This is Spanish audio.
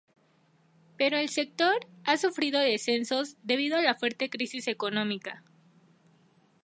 Pero el sector, ha sufrido descensos debido a la fuerte crisis económica.